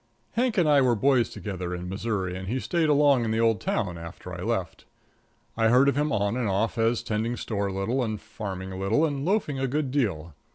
Hank and I were boys together in Missouri, and he stayed along in the old town after I left. I heard of him on and off as tending store a little, and farming a little, and loafing a good deal.